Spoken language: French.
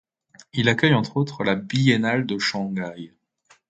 Il accueille entre autres la biennale de Shanghai.